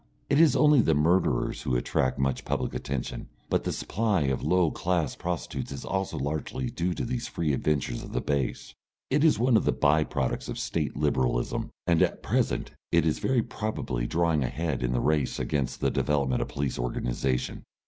It is only the murderers who attract much public attention, but the supply of low class prostitutes is also largely due to these free adventures of the base. It is one of the bye products of State Liberalism, and at present it is very probably drawing ahead in the race against the development of police organisation.